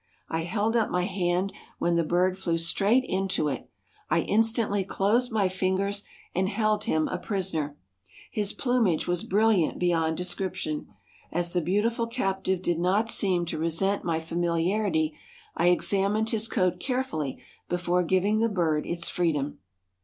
I held up my hand, when the bird flew straight into it. I instantly closed my fingers and held him a prisoner. His plumage was brilliant beyond description. As the beautiful captive did not seem to resent my familiarity, I examined his coat carefully before giving the bird its freedom.